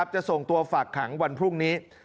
จะส่งตัวฝากขังวันพรุ่งนี้